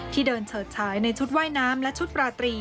ที่เดินเฉิดฉายในชุดว่ายน้ำและชุดราตรี